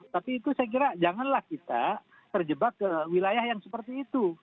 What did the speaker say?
tapi itu saya kira janganlah kita terjebak ke wilayah yang seperti itu